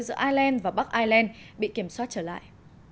giữa ireland và bắc ireland bị kiểm soát trở lại